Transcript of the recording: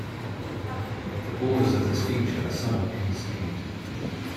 The borders of this feature are somewhat indistinct.